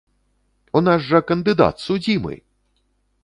У нас жа кандыдат судзімы!